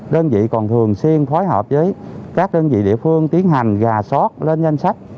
đơn vị còn thường xuyên phối hợp với các đơn vị địa phương tiến hành gà sót lên danh sách